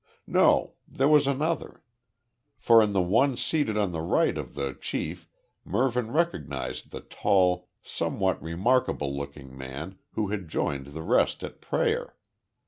No, there was another; for in the one seated on the right of the chief Mervyn recognised the tall, somewhat remarkable looking man who had joined the rest at prayer.